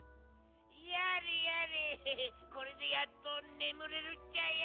やれやれこれでやっとねむれるっちゃよ！